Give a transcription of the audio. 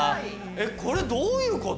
これどういうこと？